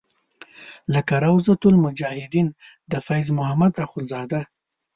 لکه روضة المجاهدین د فیض محمد اخونزاده.